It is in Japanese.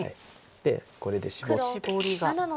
でこれでシボって。